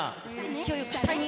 勢いよく下に。